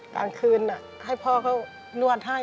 กลางคืนให้พ่อเขานวดให้